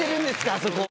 あそこを。